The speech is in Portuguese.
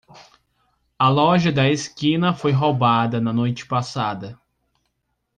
A loja da esquina foi roubada na noite passada.